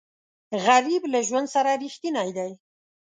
غریب له ژوند سره رښتینی دی